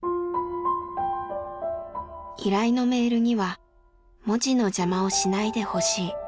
依頼のメールには「文字の邪魔をしないでほしい」